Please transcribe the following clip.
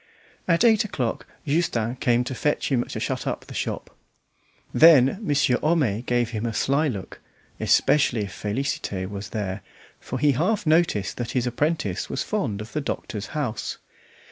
At eight o'clock Justin came to fetch him to shut up the shop. Then Monsieur Homais gave him a sly look, especially if Félicité was there, for he half noticed that his apprentice was fond of the doctor's house.